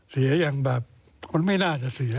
เสียอย่างแบบคนไม่น่าจะเสีย